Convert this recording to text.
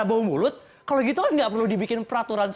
al zaitun ini kan